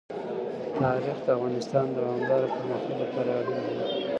تاریخ د افغانستان د دوامداره پرمختګ لپاره اړین دي.